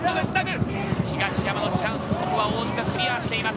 東山のチャンス、ここは大津がクリアしています。